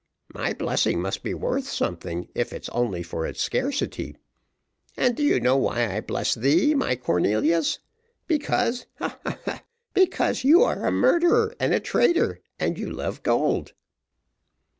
My blessing must be worth something, if it's only for its scarcity; and do you know why I bless thee, my Cornelius? Because ha, ha, ha! because you are a murderer and a traitor, and you love gold."